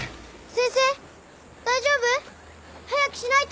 先生大丈夫？早くしないと。